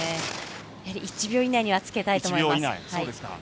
１秒以内にはつけたいと思います。